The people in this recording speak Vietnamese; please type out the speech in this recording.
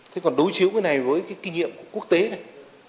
thế còn đối chiếu cái này với cái kinh nghiệm của quốc tế này